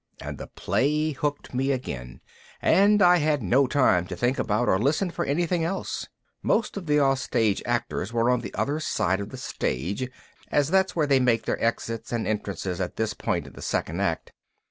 and the play hooked me again, and I had no time to think about or listen for anything else. Most of the offstage actors were on the other side of the stage, as that's where they make their exits and entrances at this point in the Second Act.